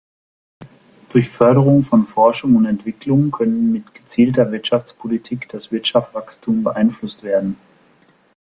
Durch Förderung von Forschung und Entwicklung könne mit gezielter Wirtschaftspolitik das Wirtschaftswachstum beeinflusst werden.